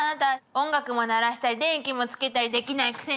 音楽も鳴らしたり電気もつけたりできないくせに。